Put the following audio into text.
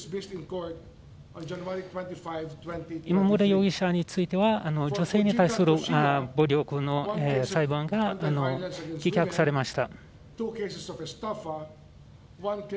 今村容疑者については女性に対する暴力の裁判が棄却されました。